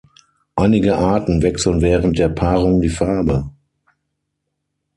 Einige Arten wechseln während der Paarung die Farbe.